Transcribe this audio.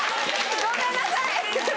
ごめんなさい！